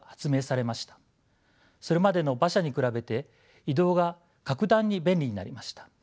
それまでの馬車に比べて移動が格段に便利になりました。